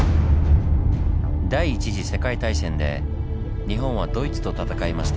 第１次世界大戦で日本はドイツと戦いました。